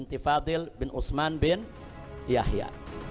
dan istri saya syarifah fadli bin usman bin yahya